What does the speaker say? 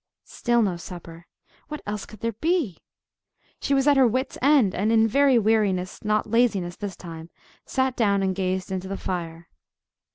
—Still no supper! What else could there be? She was at her wits' end, and in very weariness, not laziness this time, sat down and gazed into the fire.